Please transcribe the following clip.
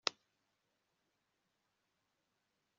iki nicyo nshaka